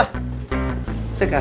nanti bisa dikawal